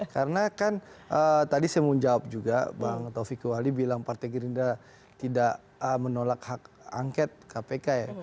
karena kan tadi saya mau menjawab juga bang taufiq kewali bilang partai gerinda tidak menolak hak angket kpk ya